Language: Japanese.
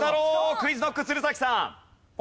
ＱｕｉｚＫｎｏｃｋ鶴崎さん。